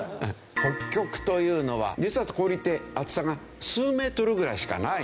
北極というのは実は氷って厚さが数メートルぐらいしかないんですよ。